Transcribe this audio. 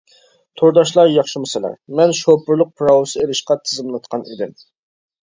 تورداشلار ياخشىمۇ سىلەر؟ مەن شوپۇرلۇق پىراۋىسى ئېلىشقا تىزىملاتقان ئىدىم.